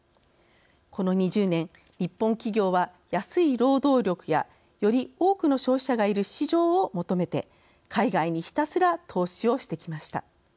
この２０年日本企業は安い労働力やより多くの消費者がいる市場を求めて海外にひたすら投資をしてきました。